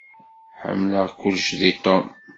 Ḥemmleɣ kullec deg Tom.